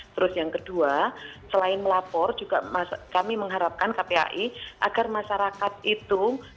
terus yang kedua selain melapor juga kami mengharapkan kpai agar masyarakat itu